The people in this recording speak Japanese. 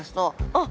あっ。